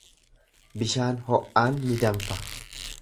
Bishaan ho'aan ni danfa.